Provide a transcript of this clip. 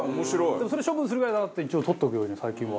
でもそれ処分するぐらいならって一応取っとくように最近は。